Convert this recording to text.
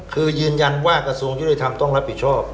คือยืนยันว่ากระทรวงยุติธรรมต้องรับผิดชอบ